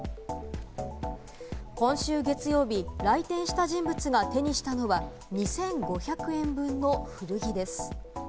今週月曜日、来店した人物が手にしたのは２５００円分の古着です。